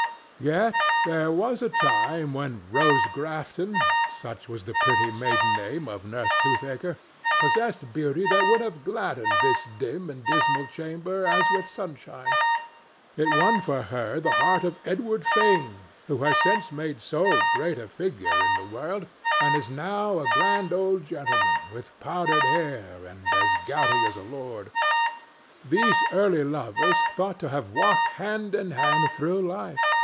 Yet there was a time when Rose Grafton—such was the pretty maiden name of Nurse Toothaker—possessed beauty that would have gladdened this dim and dismal chamber as with sunshine. It won for her the heart of Edward Fane, who has since made so great a figure in the world and is now a grand old gentleman with powdered hair and as gouty as a lord. These early lovers thought to have walked hand in hand through life.